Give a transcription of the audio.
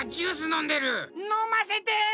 のませて！